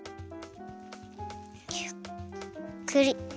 ゆっくり。